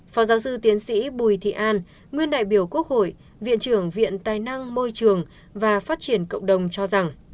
phó giáo sư tiến sĩ bùi thị an nguyên đại biểu quốc hội viện trưởng viện tài năng môi trường và phát triển cộng đồng cho rằng